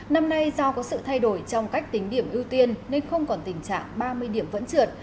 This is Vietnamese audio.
năm nay do có sự thay đổi trong cách tính điểm ưu tiên nên không còn tình trạng ba mươi điểm vẫn trượt